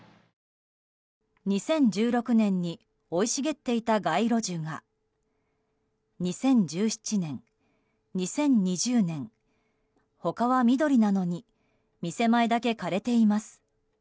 ２０１６年に生い茂っていた街路樹が、２０１７年２０２０年、他は緑なのに店前だけ枯れています。